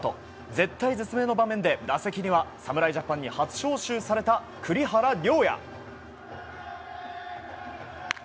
絶体絶命の場面で、打席には侍ジャパンに初招集された栗原陵矢。